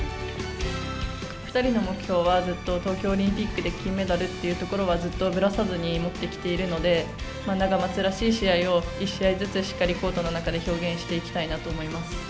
２人の目標は、ずっと東京オリンピックで金メダルっていうところはずっとぶらさずに持ってきているので、ナガマツらしい試合を一試合ずつしっかりコートの中で表現していきたいなと思います。